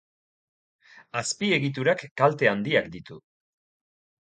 Azpiegiturak kalte handiak ditu.